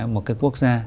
một cái quốc gia